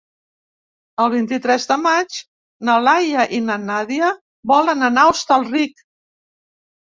El vint-i-tres de maig na Laia i na Nàdia volen anar a Hostalric.